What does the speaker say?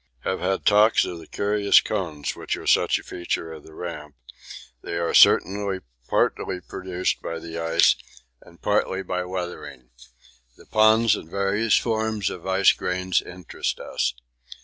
Have had talks of the curious cones which are such a feature of the Ramp they are certainly partly produced by ice and partly by weathering. The ponds and various forms of ice grains interest us.